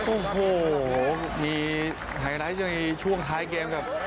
โอ้โหมีไฮไลท์ในช่วงท้ายเกมครับ